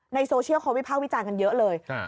โซเชียลเขาวิภาควิจารณ์กันเยอะเลย